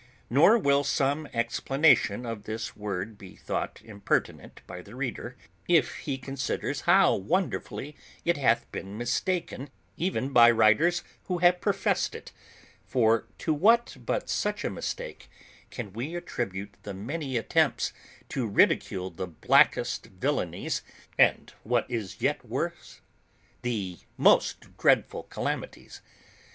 Nor will some explanation of this word be thought impertinent by the reader, if he considers how wonderfully it hath been mistaken, even by writers who have professed it: for to what but such a mistake can we attribute the many attempts to ridicule the blackest villanies, and, what is yet worse, the most dreadful calamities?